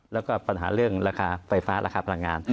แล้วก็ปัญหาเรื่องราคาไฟฟ้าราคาพลังงาน